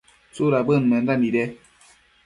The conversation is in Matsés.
¿tsudabëd menda nide ?